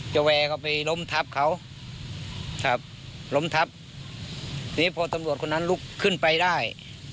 จะแว่เขาไปล้มทัพเขาทัพล้มทัพเนี่ยพอตำรวจคนนั้นลุกขึ้นไปได้